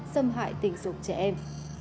xâm hại tình dục trẻ em